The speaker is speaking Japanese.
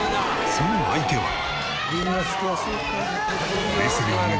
その相手は。ええ！